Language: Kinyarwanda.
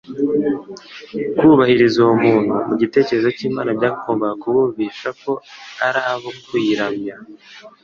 Kubahiriza uwo munsi, mu gitekerezo cy’Imana byagombaga kubumvisha ko ari abo kuyiramya.